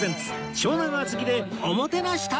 湘南・厚木でおもてなし旅